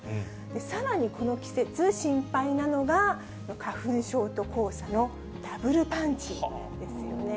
さらにこの季節、心配なのが、花粉症と黄砂のダブルパンチですよね。